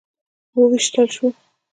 وویشتل شو.